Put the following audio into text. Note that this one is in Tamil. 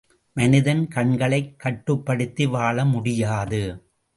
மனிதன் கண்களைக் கட்டுப்படுத்தி வாழ முடியாது.